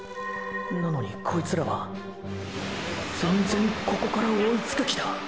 なのにこいつらは全然ここから追いつく気だ！！